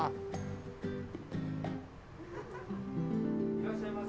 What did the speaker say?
いらっしゃいませ。